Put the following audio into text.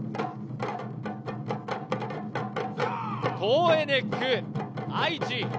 トーエネック・愛知。